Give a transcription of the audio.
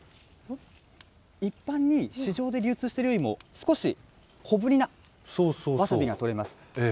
一般に市場で流通しているよりも、少し小ぶりなわさびが取れます。